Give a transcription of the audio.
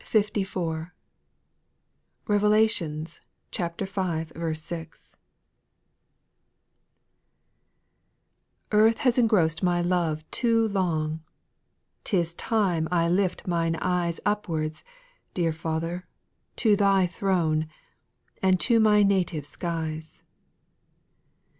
Bevelations v. 6. 1. "I7ARTH has engross'd my love too long, Hi 'T is time I lift mine eyes Upwards, dear Father, to Thy throne, And to my native skies.